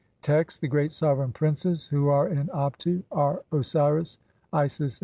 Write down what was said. Text : (1) The great sovereign princes who are in Abtu are Osiris, Isis, and Ap uat.